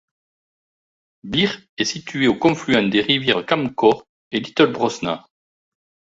Birr est située au confluent des rivières Camcor et Little Brosna.